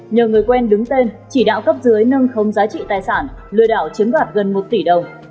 nhờ người quen đứng tên chỉ đạo cấp dưới nâng khống giá trị tài sản lừa đảo chiếm đoạt gần một tỷ đồng